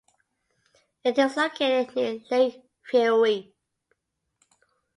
It is located near Lake Vyrnwy.